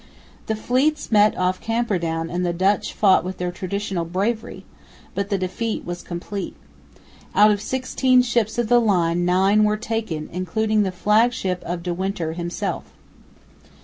The fleets met off Camperdown and the Dutch fought with their traditional bravery, but the defeat was complete. Out of sixteen ships of the line nine were taken, including the flag ship of De Winter himself.